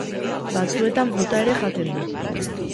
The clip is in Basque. Batzuetan fruta ere jaten du.